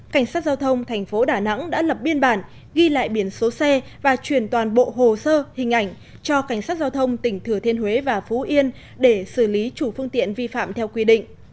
cảnh sát giao thông thành phố đà nẵng đã lập biên bản ghi lại biển số xe và truyền toàn bộ hồ sơ hình ảnh cho cảnh sát giao thông tỉnh thừa thiên huế và phú yên để xử lý chủ phương tiện vi phạm theo quy định